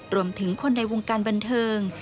รวมถึงคนในวงการบันเทิง